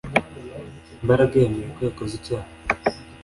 Mbaraga yemeye ko yakoze icyaha